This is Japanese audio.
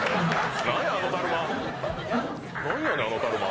何や⁉あのだるま！